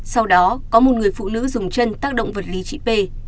sau đó có một người phụ nữ dùng chân tác động vật lý chị p